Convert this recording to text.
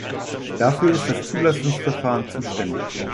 Dafür ist das Zulassungsverfahren zuständig.